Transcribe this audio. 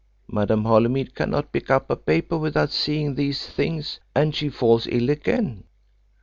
Madame Holymead cannot pick up a paper without seeing these things, and she falls ill again.